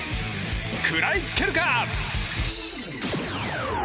食らいつけるか？